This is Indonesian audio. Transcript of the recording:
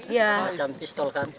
macam pistol kan